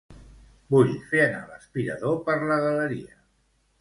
Vull fer anar l'aspirador per la galeria.